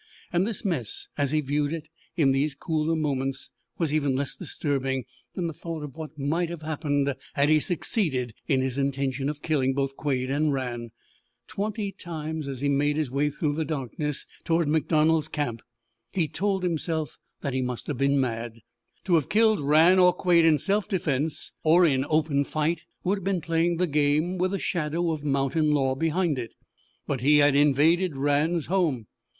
And this mess, as he viewed it in these cooler moments, was even less disturbing than the thought of what might have happened had he succeeded in his intention of killing both Quade and Rann. Twenty times as he made his way through the darkness toward MacDonald's camp he told himself that he must have been mad. To have killed Rann or Quade in self defence, or in open fight, would have been playing the game with a shadow of mountain law behind it. But he had invaded Rann's home.